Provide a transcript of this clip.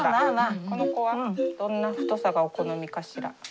この子はどんな太さがお好みかしら？